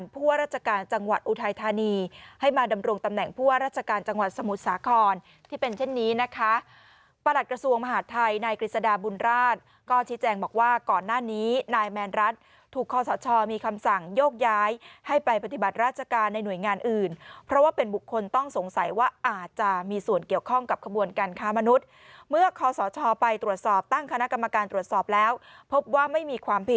ประหลัดกระทรวงมหาทัยนายกฤษดาบุญราชก็ชี้แจงบอกว่าก่อนหน้านี้นายแมนรัฐถูกคอสชมีคำสั่งยกย้ายให้ไปปฏิบัติราชการในหน่วยงานอื่นเพราะว่าเป็นบุคคลต้องสงสัยว่าอาจจะมีส่วนเกี่ยวข้องกับขบวนการค้ามนุษย์เมื่อคอสชไปตรวจสอบตั้งคณะกรรมการตรวจสอบแล้วพบว่าไม่มีความผิ